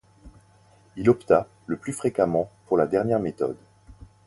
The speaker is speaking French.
Il opta le plus fréquemment pour la dernière méthode.